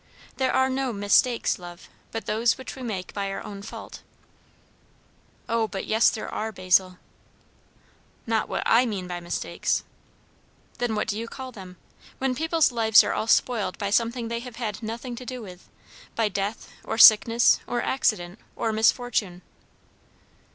"There are no mistakes, love, but those which we make by our own fault." "O but yes there are, Basil!" "Not what I mean by mistakes." "Then what do you call them? When people's lives are all spoiled by something they have had nothing to do with by death, or sickness, or accident, or misfortune."